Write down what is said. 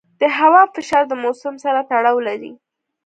د هوا فشار د موسم سره تړاو لري.